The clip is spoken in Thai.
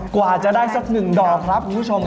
กว่าจะได้สัก๑ดอกครับคุณผู้ชม